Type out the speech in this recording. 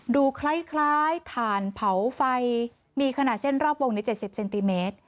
ดูคล้ายถ่านเผาไฟมีขนาดเส้นรอบวงใน๗๐เซนติเมตร